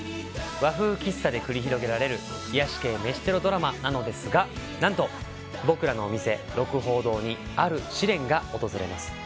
和風喫茶で繰り広げられる癒やし系飯テロドラマなのですがなんと僕らのお店鹿楓堂にある試練が訪れます。